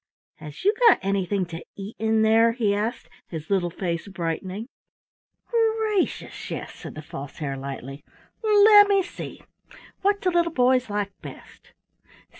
"Has you got anything to eat in there?" he asked, his little face brightening. "Gracious, yes," said the False Hare lightly. "Lemme see! What do little boys like best?